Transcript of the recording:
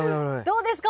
どうですか？